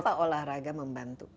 kenapa olahraga membantu